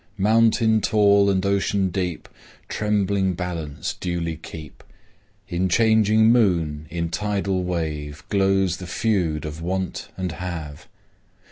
Mountain tall and ocean deep Trembling balance duly keep. In changing moon, in tidal wave, Glows the feud of Want and Have.